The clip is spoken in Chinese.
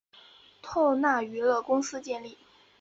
透纳娱乐公司建立。